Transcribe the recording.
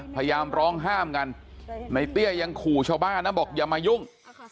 พยายามร้องห้ามกันในเตี้ยยังขู่ชาวบ้านนะบอกอย่ามายุ่ง